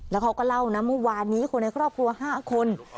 แล้วเขาก็เล่านะเมื่อวานนี้คนในครอบครัว๕คน